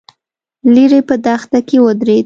ليرې په دښته کې ودرېد.